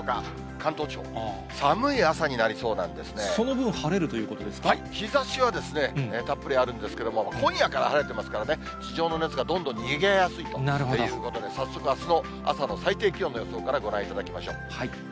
関東地方、その分、晴れるということで日ざしはですね、たっぷりあるんですけれども、今夜から晴れてますからね、地上の熱がどんどん逃げやすいということで、早速、あすの朝の最低気温の予想からご覧いただきましょう。